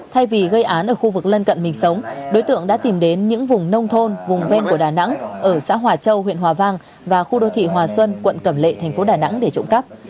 thay vì gây án ở khu vực lân cận mình sống đối tượng đã tìm đến những vùng nông thôn vùng ven của đà nẵng ở xã hòa châu huyện hòa vang và khu đô thị hòa xuân quận cẩm lệ thành phố đà nẵng để trộm cắp